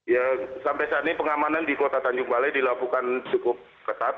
ya sampai saat ini pengamanan di kota tanjung balai dilakukan cukup ketat